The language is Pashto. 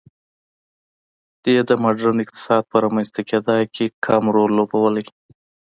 دې د ماډرن اقتصاد په رامنځته کېدا کې کم رول لوبولی.